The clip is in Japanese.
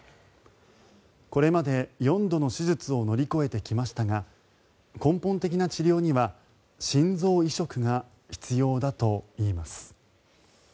これまで４度の手術を乗り越えてきましたが根本的な治療には心臓移植が必要だといいます。